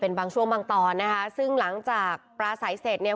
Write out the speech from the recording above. เป็นบางช่วงบางตอนนะคะซึ่งหลังจากปลาใสเสร็จเนี่ย